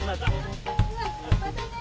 またね。